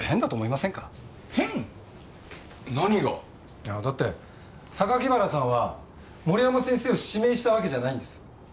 いやだって榊原さんは森山先生を指名したわけじゃないんです。